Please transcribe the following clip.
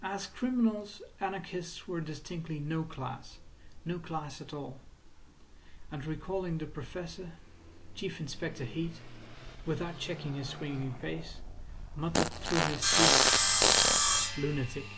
As criminals, anarchists were distinctly no class—no class at all. And recalling the Professor, Chief Inspector Heat, without checking his swinging pace, muttered through his teeth: "Lunatic."